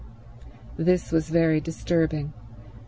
This was very disturbing.